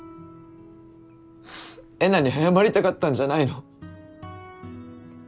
えなに謝りたかったんじゃないの？